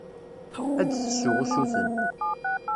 Ad d-tessu usuten.